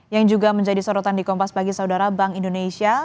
yang juga menjadi sorotan di kompas bagi saudara bank indonesia